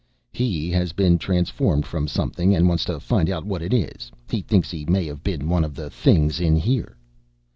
"He has been transformed from something, and wants to find out what it is. He thinks he may have been one of the things in here."